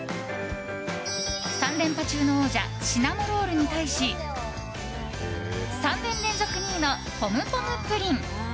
３連覇中の王者シナモロールに対し３年連続２位のポムポムプリン。